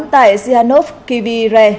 tại sihanov kivire